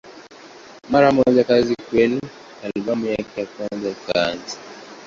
Mara moja kazi kwenye albamu yake ya kwanza ilianza.